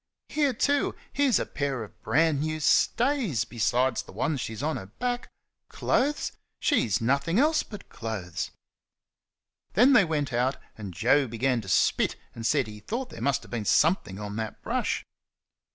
Here, too! here's a pair of brand new stays, besides the ones she's on her back. Clothes! she's nothin' else but clothes." Then they came out, and Joe began to spit and said he thought there must have been something on that brush.